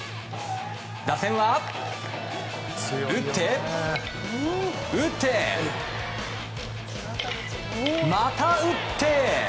打線は打って、打ってまた打って。